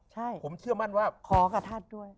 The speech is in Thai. ใช่ผมเชื่อมั่นว่าขอกับท่านด้วย